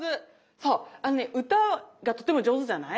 そうあのね歌がとても上手じゃない。